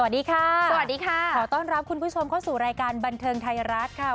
สวัสดีค่ะสวัสดีค่ะขอต้อนรับคุณผู้ชมเข้าสู่รายการบันเทิงไทยรัฐค่ะ